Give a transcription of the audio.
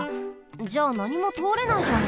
じゃあなにもとおれないじゃん。